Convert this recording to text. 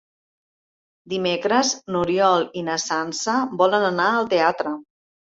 Dimecres n'Oriol i na Sança volen anar al teatre.